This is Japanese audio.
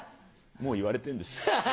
もう言われてんです。